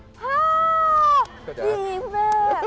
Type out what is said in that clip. โอ้โฮจริงอ่ะ